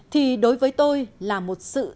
thì đối với tôi là một sự xỉ nhục